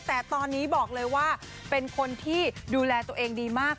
แต่ตอนนี้บอกเลยว่าเป็นคนที่ดูแลตัวเองดีมาก